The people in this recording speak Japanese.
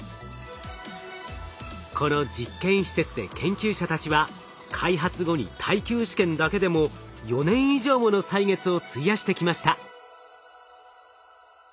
この実験施設で研究者たちは開発後に耐久試験だけでも４年以上もの歳月を費やしてきました。